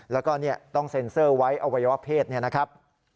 แล้วก็ต้องเซ็นเซอร์ไว้อวัยวะเพศเนี่ยนะครับ